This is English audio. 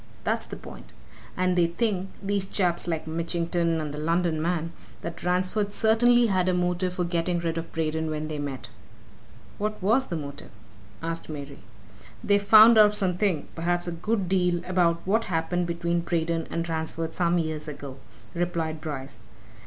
that's the point. And they think these chaps like Mitchington and the London man that Ransford certainly had a motive for getting rid of Braden when they met." "What was the motive?" asked Mary. "They've found out something perhaps a good deal about what happened between Braden and Ransford some years ago," replied Bryce.